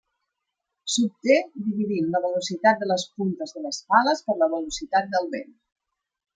S'obté dividint la velocitat de les puntes de les pales per la velocitat del vent.